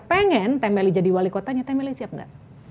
pengen temeli jadi wali kotanya temeli siap nggak